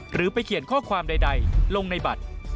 หรือไปเขียนข้อความใดลงในบัตร